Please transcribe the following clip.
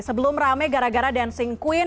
sebelum rame gara gara dancing queen